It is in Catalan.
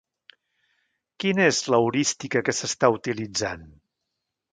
Quina és l'heurística que s'està utilitzant?